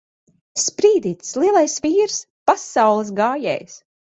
Sprīdītis! Lielais vīrs! Pasaules gājējs!